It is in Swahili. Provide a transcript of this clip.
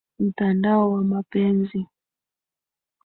mtandao wa mapenzi